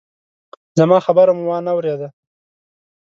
زما خبره مو وانه ورېده!